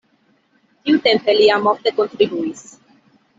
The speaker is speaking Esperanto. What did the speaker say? Tiutempe li jam ofte kontribuis.